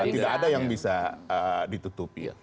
tidak ada yang bisa ditutupi